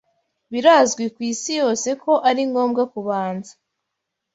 Birazwi ku isi yose ko ari ngombwa kubanza